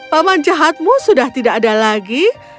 paman jahatmu sudah tidak ada lagi